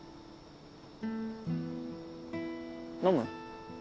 飲む？